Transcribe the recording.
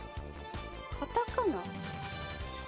カタカナ？